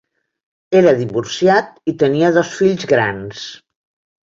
Era divorciat i tenia dos fills grans.